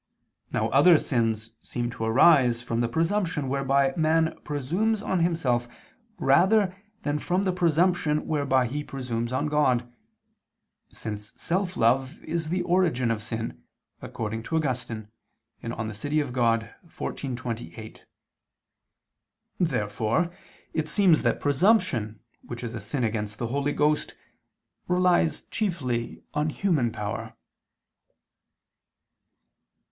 Now other sins seem to arise from the presumption whereby man presumes on himself rather than from the presumption whereby he presumes on God, since self love is the origin of sin, according to Augustine (De Civ. Dei xiv, 28). Therefore it seems that presumption which is a sin against the Holy Ghost, relies chiefly on human power.